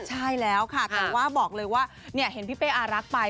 ใช่แล้วค่ะแต่ว่าบอกเลยว่าเห็นพี่เป้อารักษ์ไป